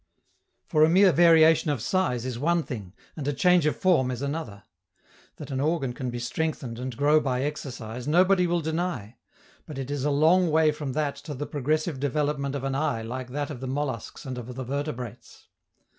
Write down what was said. For a mere variation of size is one thing, and a change of form is another. That an organ can be strengthened and grow by exercise, nobody will deny. But it is a long way from that to the progressive development of an eye like that of the molluscs and of the vertebrates.